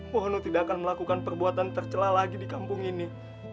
purno tidak akan melakukan perbuatan tercela lagi di kampung ini